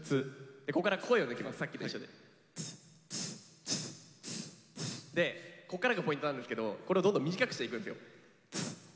でこっからがポイントなんですけどこれをどんどん短くしていくんですよ。